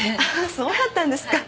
そうだったんですか。